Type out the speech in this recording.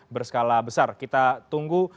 berskala besar kita tunggu